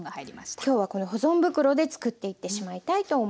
今日はこの保存袋でつくっていってしまいたいと思います。